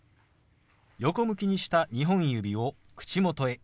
横向きにした２本指を口元へ。